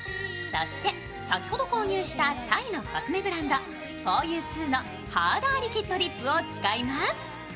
先ほど購入したタイのコスメブランド、４Ｕ２のハーダーリキッドリップを使います。